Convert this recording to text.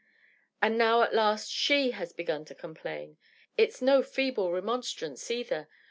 •• And now, at last, slie has b^un to complain. It's no feeble remonstrance, either.